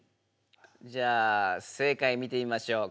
じゃあ正解見てみましょう。